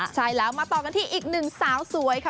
ใช่แล้วมาต่อกันที่อีกหนึ่งสาวสวยค่ะ